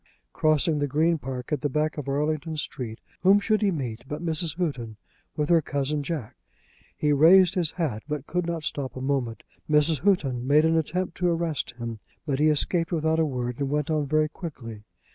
Crossing the Green Park, at the back of Arlington Street, whom should he meet but Mrs. Houghton with her cousin Jack. He raised his hat, but could not stop a moment. Mrs. Houghton made an attempt to arrest him, but he escaped without a word and went on very quickly.